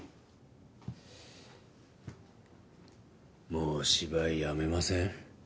もう芝居やめません？